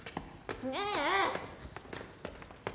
ねえ！